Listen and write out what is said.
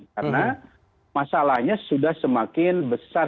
karena masalahnya sudah semakin besar